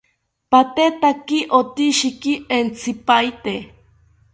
Patetaki otishiki entzipaete